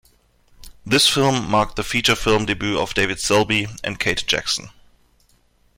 This film marked the feature film debut of David Selby and Kate Jackson.